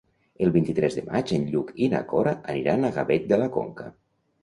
El vint-i-tres de maig en Lluc i na Cora aniran a Gavet de la Conca.